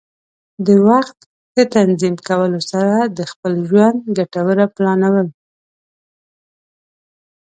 د وخت ښه تنظیم کولو سره د خپل ژوند ګټوره پلانول.